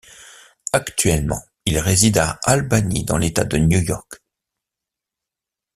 Actuellement, il réside à Albany dans l'État de New York.